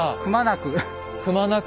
くまなく。